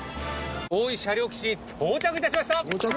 大井車両基地に到着いたしました。